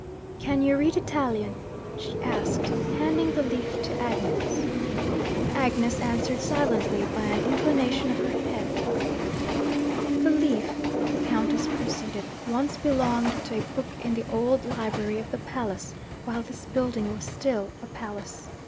'Can you read Italian?' she asked, handing the leaf to Agnes. Agnes answered silently by an inclination of her head. 'The leaf,' the Countess proceeded, 'once belonged to a book in the old library of the palace, while this building was still a palace.